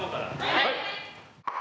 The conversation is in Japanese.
はい！